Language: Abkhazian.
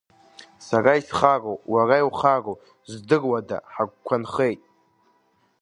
Сара исхароу, уара иухароу здыруада ҳагәқәа нхеит.